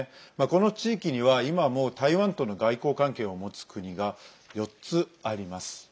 この地域には今も台湾との外交関係を持つ国が４つあります。